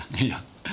いや。